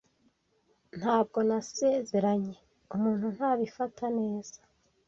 Ntabwo nasezeranye umuntu ntabifata neza.